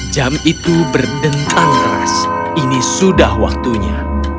jam itu berdentang keras ini sudah waktunya